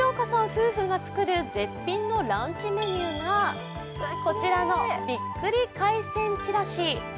夫婦が作る絶品のランチメニューがこちらのびっくり海鮮ちらし。